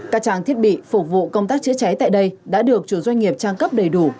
các trang thiết bị phục vụ công tác chữa cháy tại đây đã được chủ doanh nghiệp trang cấp đầy đủ